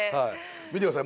見てください。